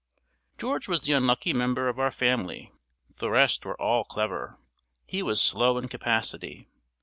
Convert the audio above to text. George was the unlucky member of our family. The rest were all clever; he was slow in capacity.